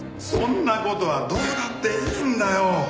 そんな事はどうだっていいんだよ！